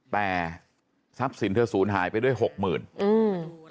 แต่ทรัพย์สินเธอศูนย์หายไปด้วยหกหมื่นอืม